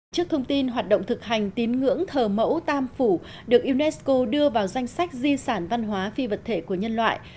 trước thông tin hoạt động thực hành tín ngưỡng thờ mẫu tam phủ được unesco đưa vào danh sách di sản văn hóa phi vật thể của nhân loại